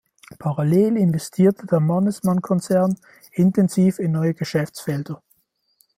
Parallel investierte der Mannesmann-Konzern intensiv in neue Geschäftsfelder.